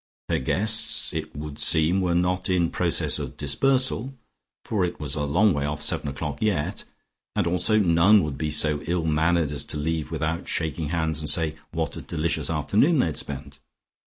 Her guests, it would seem, were not in process of dispersal, for it was a long way off seven o'clock yet, and also none would be so ill mannered as to leave without shaking hands and saying what a delicious afternoon they had spent.